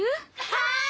はい！